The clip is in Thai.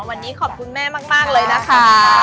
วันนี้ขอบคุณแม่มากเลยนะคะ